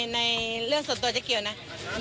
ในเรื่องส่วนตัวเจ๊เกียวนะ